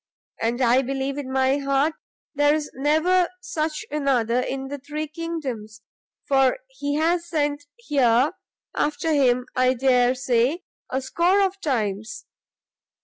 and I believe in my heart there's never such another in the three kingdoms, for he has sent here after him I dare say a score of times.